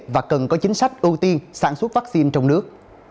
và cần có chính sách ưu tiên sản xuất vaccine trong nước